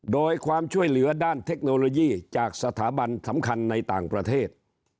โดยความช่วยเหลือด้านเทคโนโลยีจากสถาบันสำคัญในต่างประเทศ